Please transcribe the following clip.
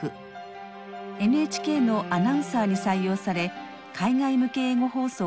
ＮＨＫのアナウンサーに採用され海外向け英語放送を担当しました。